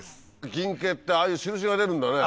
銀化ってああいう印が出るんだね。